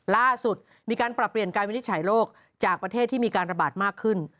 ล่าสุดมีการปรับเปลี่ยนการวินิจฉัยโรคจากประเทศที่มีการระบาดมากขึ้น